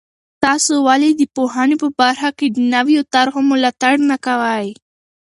تاسې ولې د پوهنې په برخه کې د نویو طرحو ملاتړ نه کوئ؟